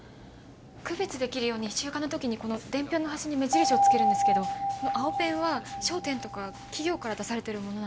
区別できるように集荷の時にこの伝票の端に目印を付けるんですけど青ペンは商店とか企業から出されてるものなんです。